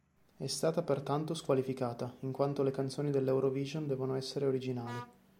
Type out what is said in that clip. È stata pertanto squalificata, in quanto le canzoni dell'Eurovision devono essere originali.